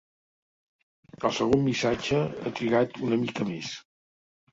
El segon missatge ha trigat una mica més.